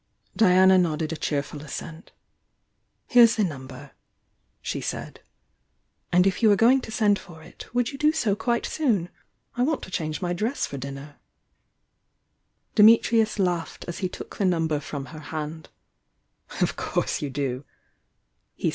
Diana nodded a cheerful assent. "Here's vhe number," she said. "And if you are going to send for it, would you do so quite soon? I want to change my dress for dinner." Dimitrius laughed as he took the number from her hand. "Of course you do!"